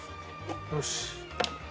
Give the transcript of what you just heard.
よし。